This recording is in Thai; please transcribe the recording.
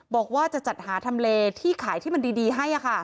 บอกว่าจะจัดหาทำเลที่ขายที่มันดีให้